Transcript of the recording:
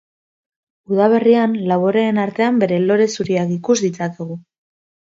Udaberrian laboreen artean bere lore zuriak ikus ditzakegu.